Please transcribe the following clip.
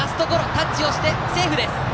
タッチをしたがセーフです。